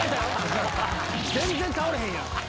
全然倒れへんやん